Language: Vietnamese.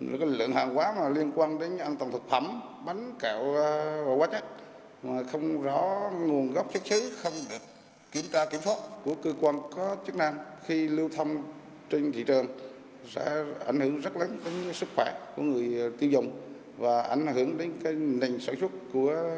đã ảnh hưởng rất lớn đến sức khỏe của người tiêu dùng và ảnh hưởng đến nền sản xuất của trong nước